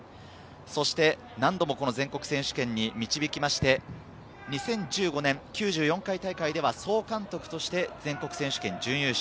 そして何度も全国選手権に導きまして、２０１５年、９４回大会で総監督として全国選手権準優勝。